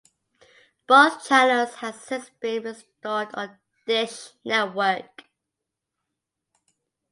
Both channels has since been restored on Dish Network.